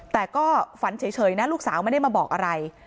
แต่ก็ฝันเฉยนะลูกสาวไม่ได้มาบอกอะไร